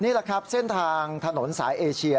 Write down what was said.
นี่แหละครับเส้นทางถนนสายเอเชีย